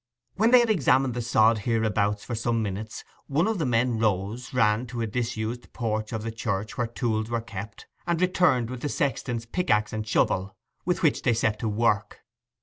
When they had examined the sod hereabouts for some minutes, one of the men rose, ran to a disused porch of the church where tools were kept, and returned with the sexton's pickaxe and shovel, with which they set to work.